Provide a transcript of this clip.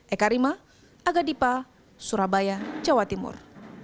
eka rima aga dipa surabaya jawa timur